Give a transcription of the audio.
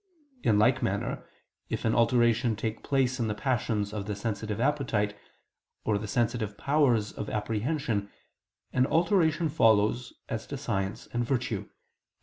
In like manner, if an alteration take place in the passions of the sensitive appetite, or the sensitive powers of apprehension, an alteration follows as to science and virtue (Phys.